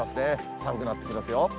寒くなってきますよ。